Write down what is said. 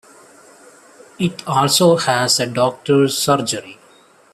It also has a doctor's surgery.